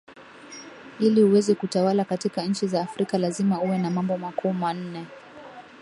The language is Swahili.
iliuweze kutawala katika nchi za afrika lazima uwe na mambo makuu manne